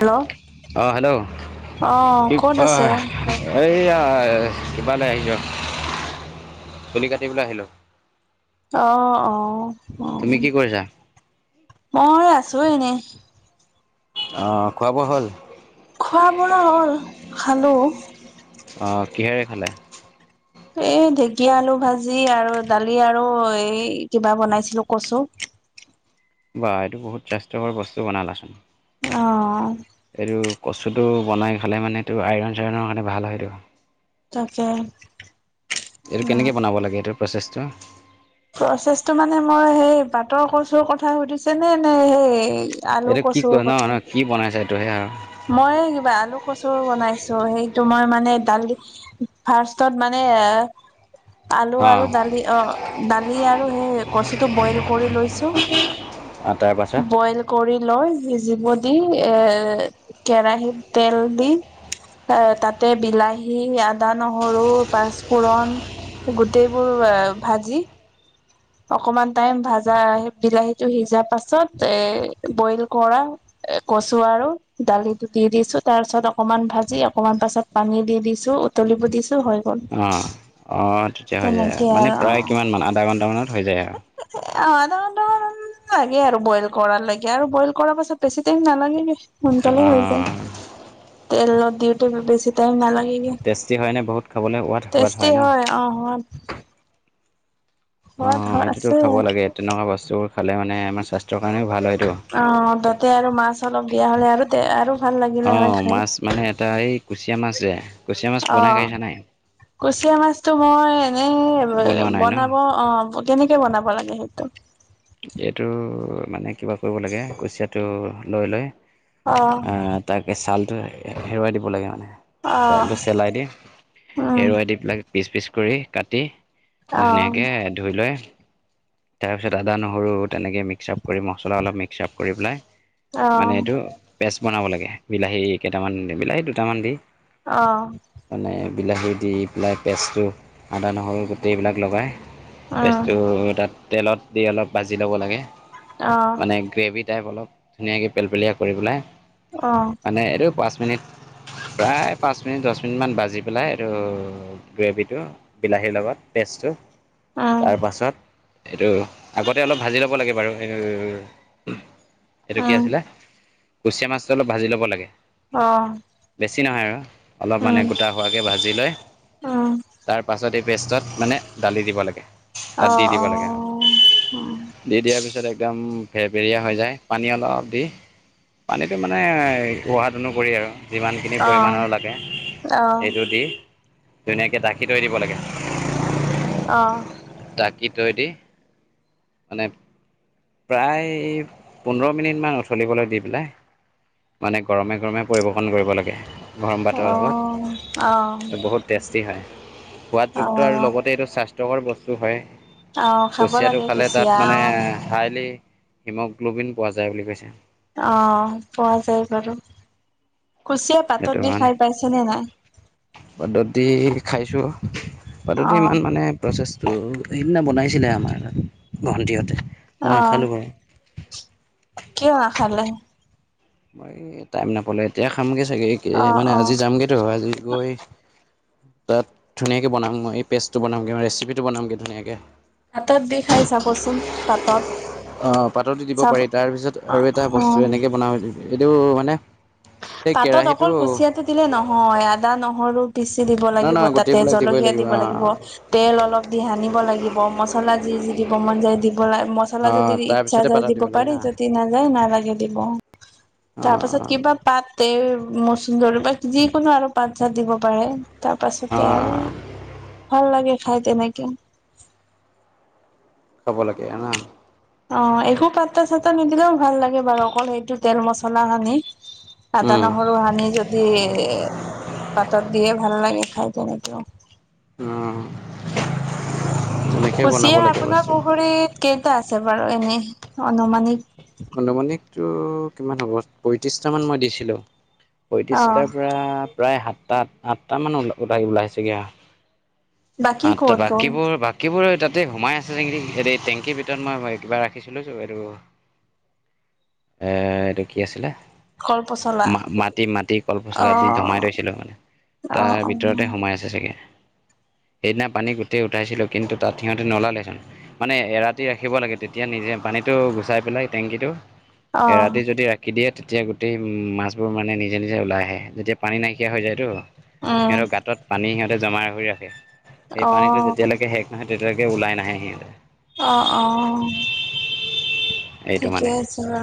Hello. অ hello অ। অ ক'ত আছে এইয়া কিবা লৈ আহিলোঁ চুলি কাটিবলৈ আহিলোঁ। অ', অ', তুমি অ' কি কৰিছা মই আছোঁ এনে। অ', খোৱা বোৱা হ'ল? খোৱা বোৱা হ'ল খালোঁ। অ' কিহেৰে খালে? এই ঢেকীয়া আলু ভাজি আৰু দালি আৰু এই কিবা বনাইছিলো কচু। বা এইটো বহুত স্বাস্থ্যকৰ বস্তু বনালা। অ'। এইটো কচুটো বনাই খালে মানে এইটো আইৰণ চাইৰনৰ কাৰণে ভাল হয় এইটো। তাকে এইটো অ কেনেকে বনাব লাগে এইটো প্ৰচেছটো প্ৰচেছটো মানে মোৰ সেই বাটৰ কচুৰ কথা সুধিছে নে, নে সেই আলু, এইটো কি ক কচুৰ ন ন কথা কি বনাইছা এইটোহে আৰু মই এই কিবা আলু, কচুৰ বনাইছোঁ সেই তোমাৰ মানে দালি ফাৰ্ষ্টত মানে আলু অঁ আৰু দালি অ, দালি আৰু সেই কচুটো বইল কৰি লৈছো আঠটাই পাইচে বইল কৰি লয় সিজিব দি এ কেৰাহিত তেল দি এ তাতে বিলাহী, আদা, নহৰু, পাঁচপোৰণ গোটেইবোৰ ভাজি অকমান টাইম ভাজা বিলাহী টো সিজা পাছত এ বইল কৰা এ কচু আৰু দালিটো দি দিছো তাৰ পাছত অকমান ভাজি অকমান পাছত পানী দি দিছোঁ, উতলিব দিছো হয় অ অ তেতিয়া হৈ যায় আৰু মানে প্ৰায় কিমান মান আধা ঘণ্টামানত হৈ যায় আও এ আধা ঘণ্টামান লাগে আৰু বইল কৰাৰ লৈকে আৰু বইল কৰা পাছত বেছি টাইম নালাগে সোনকালে হৈ যায় অঁ তেলত দিওঁ তে বেছি টাইম নালাগে দিয়া। টেষ্টি হয়নে বহুত খাবলৈ সোৱাদ সোৱাদ তেষ্টি ন হয় অ হয় অ হয় এইটোতো আছে খাব লাগে তেনেকুৱা বস্তু খালে মানে আমাৰ স্বাস্থ্যৰ কাৰণেও ভাল হয়টো অ তাতে আৰু মাছ অলপ দিয়া হ'লে আৰু তে আৰু ভাল লাগিলে হয় অ', খাই মাছ মানে এটা এই কুচিয়া মাছ যে কুচিয়া মাছ অ বনাই খাইছা নাই কুচিয়া মাছটো মই এনেই বনোৱা নাই ন? বনাব অ ব কেনেকে বনাব লাগে সেইটো? এইটো মানে কিবা কৰিব লাগে কুচিয়াটো লৈ লৈ অ' তাকেছালটো এৰুৱাই দিব লাগে মানে, অ ছালটো চেলাই দি উম এৰুৱাই দি পেলাক পিচ পিচ কৰি কাটি অ ধুনীয়াকে ধুই লৈ তাৰপিছত আদা, নহৰু তেনেকে মিক্সআপ কৰি মছলা অলপ মিক্সআপ কৰি পেলাই অ মানে এইটো পেষ্ট বনাব লাগে বিলাহী কেইটামান দি পেলাই এ দুটামান দি অ মানে বিলাহী দি পেলাই পেষ্টটো আদা, নহৰু গোটেইবিলাক লগায় উম পেষ্টটো তাত তেলত দি অলপ ভাজি ল'ব লাগে অ মানে গ্ৰেভিত টাইপ অলপ ধুনীয়াকে পেলপেলীয়া কৰি পেলাই অ মানে এইটো পাঁচ মিনিট প্ৰায় পাঁচ মিনিট, দহ মিনিটমান বাজি পেলাই এইটো গ্ৰেভিটো বিলাহীৰ লগত পেষ্টটো উম তাৰপাছত এইটো আগতে অলপ ভাজি ল'ব লাগে বাৰু এ এইটো কি উম আছিলে কুচিয়া মাছটো অলপ ভাজি ল'ব লাগে। অ বেছি নহয় আৰু অলপ মানে উম গোটা হোৱাকে ভাজি লয়। উম তাৰ পাছত এ পেষ্টত মানে দালি দিব লাগে তাত দি দিব লাগে আও উ উম দি দিয়াৰ পিছত একদম ফেৰফেইয়া হৈ যায় পানী অলপ দি পানীটো মানে সোৱাদ অনুসৰি আৰু। যিমানখিনি অ পৰিমাণৰ লাগে অ সেইটো দি ধুনীয়াকে ঢাকি থৈ দিব লাগে। অ। ধাকি থৈ দি মানে প্ৰায় পোন্ধৰ মিনিট মান উতলিবলৈ দি পেলাই। মানে গৰমে গৰমে পৰিৱেশন কৰিব লাগে, গৰম অ ভাতৰ অ লগত বহুত টেষ্টি হয়, অ সোৱাদযুক্ত আৰু লগতে এইটো স্বাস্থ্যকৰ বস্তু হয়। অ খাব কুচিয়াটো লাগে খালে কুচিয়া তাত মানে অ হাইলি হিমোগ্ল'বিন পোৱা যায় বুলি কৈছে। অ পোৱা যায় বাৰু, কুচিয়া পাতত দি খায় পাইছেনে নাই? পাতত দি খাইছোঁ পাতত অ দি ইমান মানে প্ৰচেছটো, সেইদিনা বনাইছিলে আমাৰ ভণ্টিহঁতে অ মই খালোঁ বাৰু। কিয় আশা লৈ আহিম। মই এই টাইম নাপালো এতিয়া খামগে চাগে, অ মানে অ আজি যামগে ত আজি গৈ তাত ধুনীয়াকে বনাম মই এই পেষ্টটো বনামগে মই ৰেচিপিটো বনামগে ধুনীয়াকে। পাতত দি খায় চাবচোন, পাতত। অ পাতৰ দি দিব চাব পাৰি, তাৰ পিছত অ আৰু এটা বস্তু অ এনেকে বনাব এইটো মানে। এই পাতত কেৰাহীটো অকল কুচিয়াটো দিলে নহয় আদা নহৰু পিচি দিব নহয় লাগিব নহয় তাতে গোটেইবিলাক দিবই জলকীয়া দিব লাগিব। অ' তেল অলপ দি সানিব লাগিব মচলা যি যি দিব মন যায় দিব লা মচলা যদি অ', ইচ্ছা তাৰপিছতে যায় পাতা দিব লাগে পাৰি না যদি নাযায় নালাগে দিব। তাৰ পাছত অ', কিবা পাতে মচুন্দৰ বা যিকোনো আৰু পাত চাত দিব পাৰে। তাৰ পাছতে আৰু অ', ভাল লাগে খাই তেনেকে। খাব লাগে আ। অ, একো পাতা চাতে নিদিলেও ভাল লাগে বাৰু, অকল সেইটো তেল মছলা সানি। আদা, উম, নহৰু সানি যদি পাতত দিয়ে ভাল লাগে খাই তেনেকেও। উম। তেনেকে বনাব কুচিয়া লাগে আপোনাৰ বস্তু পুখুৰীত কেইটা আছে বাৰু এনে অনুমানিক? আনুমানিকতো কিমান হ'ব, পয়ত্ৰিশটা মান মই দিছিলো। অ পঁয়ত্ৰিশটাৰ পৰা প্ৰায় সাতটা আঠটা মান ওলাই ওলাইছেগে আ। বাকী আঠটা ক'ত গ'ল বাকীবোৰ বা কিবোৰ তাতেই সোমাই আছে নেকি। টেংকীৰ ভিতৰত মই কিবা ৰাখিছিলোঁ। এইটো কি আছিলে? কল পচলা মা-মাটি মাটি অ কলপচলা দি জমাই থৈছিলো অ তাৰ ভিতৰতে সোমাই আছে। ছেগে সেইদিনা পানী গোটেই উঠাইছিলো কিন্তু তাত সিহঁতে নলালে চোন। মানে এৰাতি ৰাখিব লাগে তেতিয়া নিজে পানীটো গুচাই পেলাই। টেংকিটো অ অ এৰাতি যদি ৰা কি দিয়ে তেতিয়া গোটেই মাছবোৰ মানে নিজে নিজে ওলাই আহে, তেতিয়া পানী নাইকিয়া হৈ যায়তো। উম সিহঁতৰ গাঁতত পানী সিহঁতে জমা কৰি ৰাখে, সেই অ পানীটো যেতিয়ালৈকে শেষ নাহয় তেতিয়ালেকে ওলাই নাহে সিহঁতে। অ অ এইটো মানে ঠিকেই আছে অ।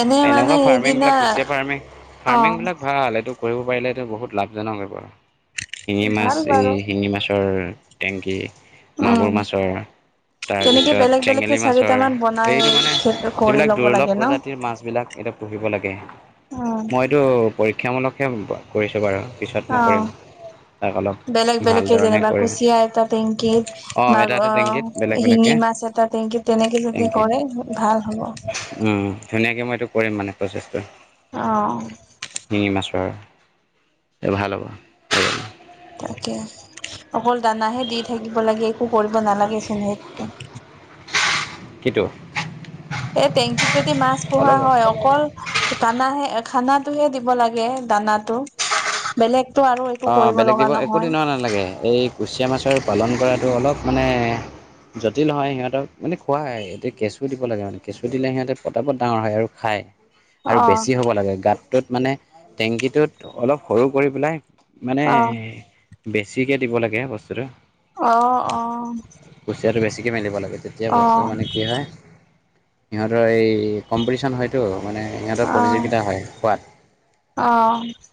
এনে মানে এনেকুৱা সেইদিনা ফাৰ্মিংবিলাক কুচিয়া ফাৰ্মিং অ ফাৰ্মিংবিলাক ভাল এইটো কৰিব পাৰিলেটো বহুত লাভজনক হৈ পৰে, শিঙি মাছ ভাল এই বাৰু শিঙি মাছৰ টেংকী মাগুৰ উম মাছৰ, তেনেকে তাৰপিছত বেলেগ বেলেগকে চেঙেলী মাছৰ চাৰিটামান বনাই এইটো মানে, খে কৰি যিবিলাক ল'ব দুৰ্লভ লাগে ন প্ৰজাতিৰ মাছবিলাক এইটো পঢ়িব লাগে উম মইতো পৰীক্ষামূলকহে কৰিছোঁ বাৰু পিছত মই অ কৰিম তাক অলপ বেলেগ ভাল বেলেগে ধৰণে যেনিবা কৰিম কুচিয়া এটা টেংকি মা এটা অ এটা টেংকিত বেলেগ শিঙি বেলেগকে মাছ এট টা টেংকিত তেনেকে যদি টেংকি কৰে ভাল হ'ব উম সেনেকে মই এইটো কৰিম মানে প্ৰচেছটো অঁ শিঙি মাছৰ ভাল হ'ব তাকে অকল দানাহে দি থাকিব লাগে একো কৰিব নালাগে চোন সে কোৱা কিতো এ টেংকীত যদি মাছ পোহা হয় অকল দানাহে খানাটোহে দিব লাগে দানাটো বেলেগত আৰু একো অ' কৰিব বেলেগ লগা দিব একো নহয় দিনৰ নালাগে এই কুচিয়া মাছৰ পালন কৰাটো, অলপ মানে জটিল হয় সিহঁতক মানে খোৱা হয় এতিয়া কেঁচু দিব লাগে মানে কেঁচু দিলে সিহঁতে পতাপত ডাঙৰ হয় আৰু খায় আৰু অ বেছি হ'ব লাগে গাতটোত মানে টেংকিটোত অলপ সৰু কৰি পেলাই মানে অ বেছিকে দিব লাগে বস্তুটো অ অ কুচিয়াটো বেছিকে মেলিব লাগে তেতিয়া অ বস্তু মানে কি হয়, সিহঁতৰ এই কম্পিটিচন হয়তো মানে সিহঁতৰ প্ৰতিযোগিতা হয় খোৱাত অ অ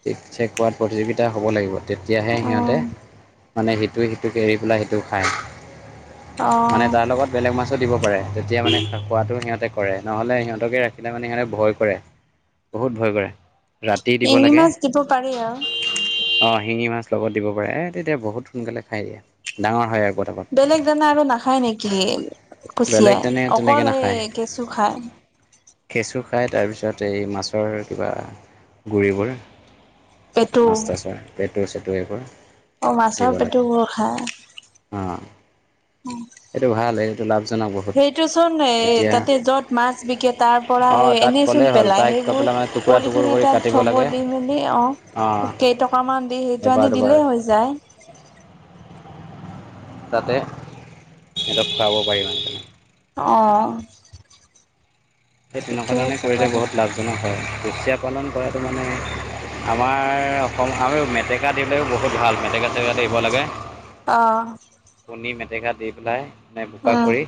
ঠিক চেক কৰাত প্ৰতিযোগিতা হ'ব লাগিব তেতিয়াহে সিহঁতে উম মানে সিটোৱে সিটোক এৰি পেলাই, সিটো খায়। অ মানে তাৰ লগত বেলেগ মাছো দিব পাৰে তেতিয়া মানে খোৱাটো সিহঁতে কৰে নহ'লে সিহঁতকে ৰাখিলে মানে সিহঁতে ভয় কৰে বহুত ভয় কৰে। ৰাতি দিব শিঙি মাছ দিব পাৰি আৰু। অ শিঙি মাছ লগত দিব পাৰে এ তেতিয়া বহুত সোনকালে খাই দিয়ে ডাঙৰ হয় আৰু ব বেলেগ দানা আৰু নাখায় নেকি বেলেগ কুচিয়াই তেনে অকল তেনেকৈ সে নাখায় কেঁচু খাই কেঁচু খাই তাৰপিছত এই মাছৰ কিবা গুৰিবোৰ পেটু মাছ তাছৰ পেটু চেটু এইবোৰ অ মাছৰ পেটবোৰ খাই অ। অ লাভজনক বহুত সেইটো চোন এহ এতিয়া তাতে য'ত মাছ বিকে তাত পৰা সে অঁ তাত ক'লেই এনেইচোন হ'ল পেলাই, তাইক কৈ সেইবোৰ পেলাই মানে টুকুৰা টুকুৰ পলিথিন কৰি এটাত কাটিব থব লাগে দি মেলি অ'। অঁ কেইটকামান দি সেইটো এবাৰ আনি দুবাৰ দিলেও হৈ যায়। যাতে সিহঁতক খোৱাব পাৰিম অ। সেই তেনেকুৱা ঠিকে ধৰণে আছে কৰিলে বাৰু বহুত লাভজনক হয় কুচীয়া পালন কৰাটো মানে আমাৰ অসম আৰু মেটেকা দিলেও বহুত ভাল মেটেকা চেটেকা দিব লাগে অহ কণী মেটেকা দি পেলাই মানে বোকা উম কৰি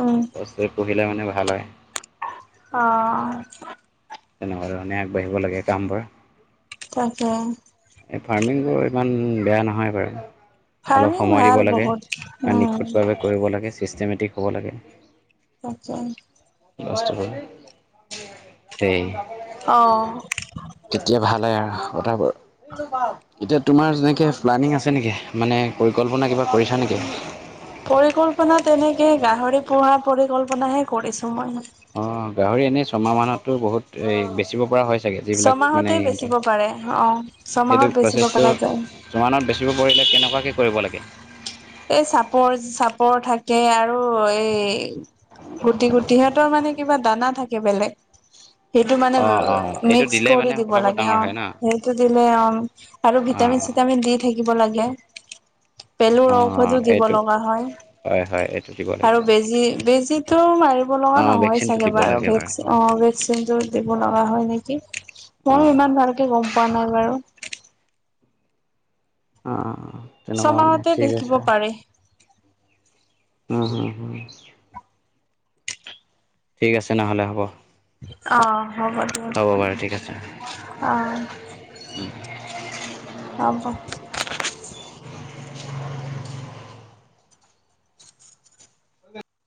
উম বস্তু পুহিলে মানে ভাল হয় অহ'। তেনেকুৱা ধৰণে আগবাঢ়িব লাগে কামবোৰ তাকে এই ফাৰ্মিংবোৰ ইমান বেয়া নহয় বাৰু। অলপ ফাৰ্মিং সময় দিব ভাল লাগে বহুত এ উম নিখুঁতভাৱে কৰিব লাগে চিষ্টেমেটিক হ'ব লাগে। [inaudible] লষ্ট হ'ল তেই। অ তেতিয়া ভাল হয় আৰু কথাবোৰ। এতিয়া তোমাৰ যেনেকে প্লানিং আছে নেকি মানে পৰিকল্পনা কিবা কৰিছা নেকি? পৰিকল্পনাত তেনেকে গাহৰি পোহা পৰিকল্পনাহে কৰিছো মই। অ', গাহৰি এনে ছমাহ মানতো বহুত এ বেছিব পৰা হৈ থাকে যিবিলাক মানে ছমাহতে বেচিব সিহঁতৰ পাৰে অ ছমাহত এইটো বেচিব প্ৰচেছটো পৰা যায়। [unintelligible] বেছিব পৰিলে কেনেকুৱাকৈ কৰিব লাগে? এই চাপৰ চাপৰ থাকে আৰু এই গুটি গুটি সিহঁতৰ মানে কিবা দানা থাকে বেলেগ। সেইটো মানে অ অ এইটো মিক্স দিলেই কৰি মানে দিব পতাপত লাগে ডাঙৰ অ' হয় ন সেইটো দিলে অ'। আৰু অ ভিটামিন চিটামিন দি থাকিব লাগে। অ পেলুৰো সেইটোও দিব এইটো লগা হয়। হয় হয় এইটো দিব আৰু লাগিব বেজি বেজিটো মাৰিব লগা অ নহয় ভেকচিনটো চাগে দিব বাৰু লাগে হ'ব অ', ভেকচিনটো দিব লগা হয় নেকি। অ ময়ো ইমান ভালকে গম পোৱা নাই বাৰু। অ', তেনেকুৱা মানে ছমাহতে ঠিক বিকিব আছে। পাৰি উম, হম, হম। ঠিক আছে নহ'লে হ'ব। অ', হ'ব। দিয়ক হ'ব বাৰু ঠিক আছে। হ'ব।